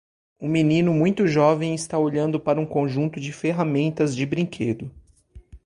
Um menino muito jovem está olhando para um conjunto de ferramentas de brinquedo.